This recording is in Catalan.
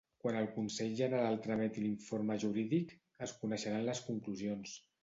Quan el Consell General trameti l'informe jurídic, es coneixeran les conclusions.